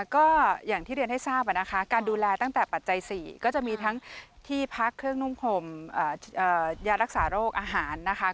ก็อย่างที่เรียนให้ทราบนะคะการดูแลตั้งแต่ปัจจัย๔ก็จะมีทั้งที่พักเครื่องนุ่งพรมยารักษาโรคอาหารนะคะ